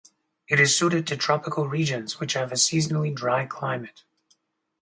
It is suited to tropical regions which have a seasonally dry climate.